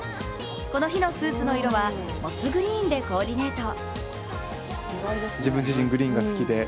この日のスーツの色はモスグリーンでコーディネート。